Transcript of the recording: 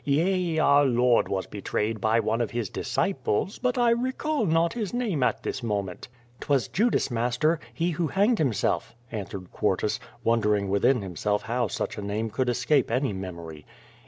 Yea, our Lord was betrayed by one his His disciples, but I recall not his name at this moment." " 'Twas Judas, master. He who hanged himself," answered Quartus, wondering within himself how such a name could escape any memory.